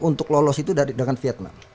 untuk lolos itu dengan vietnam